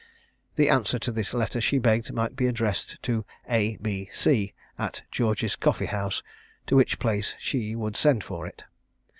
The answer to this letter she begged might be addressed to A. B. C. at George's Coffee house, to which place she would send for it.